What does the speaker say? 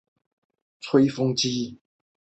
核形虫纲为旁系群。